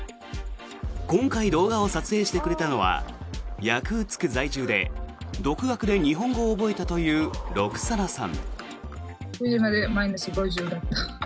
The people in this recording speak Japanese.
今回動画を撮影してくれたのはヤクーツク在住で独学で日本語を覚えたというロクサナさん。